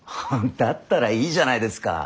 だったらいいじゃないですか。